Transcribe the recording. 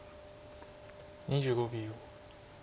２５秒。